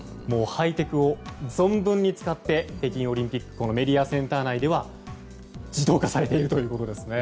ハイテクを存分に使って北京オリンピックこのメディアセンター内は自動化されているということです。